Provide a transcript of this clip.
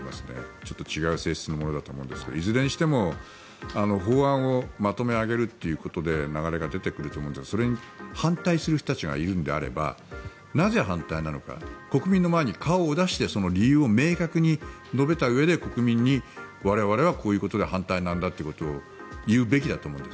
ちょっと違う性質のものだと思うんですがいずれにしても法案をまとめ上げるということで流れが出てくると思うのでそれに反対する人たちがいるのであれば、なぜ反対なのか国民の前に顔を出してその理由を明確に述べたうえで国民に我々は、こういうことで反対なんだというのを言うべきだと思います。